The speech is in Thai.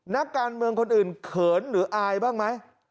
นักการเมืองคนอื่นเขินหรืออายบ้างไหม